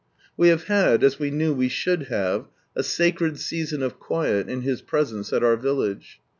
We have had, as we knew we should have, a sacred season of quiet in His Presence at our village.